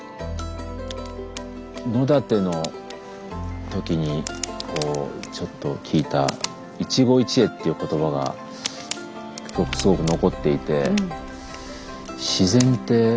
野点の時にちょっと聞いた一期一会っていう言葉がすごく残っていて。